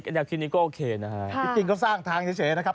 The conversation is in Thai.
จริงเขาสร้างทางเฉยนะครับ